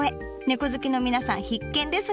ねこ好きの皆さん必見ですにゃ。